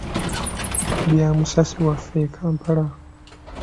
Bya musasi waffe e Kampala.